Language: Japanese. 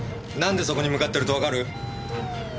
何でそこに向かってるとわかる？